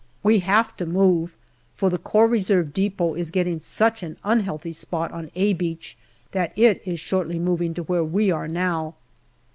We have to move, for the Corps Reserve depot is getting such an unhealthy spot on " A " Beach that it is shortly moving to where we are now.